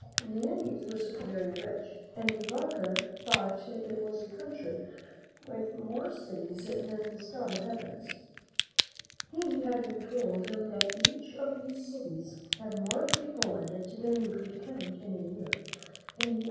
The Indies were supposed to be very rich, and De Vaca thought it was a country with more cities than the stars of the heavens. He had been told that each of these cities had more people in it than you could count in a year, and he also DfllUl4tt ■■■yriA ■'h.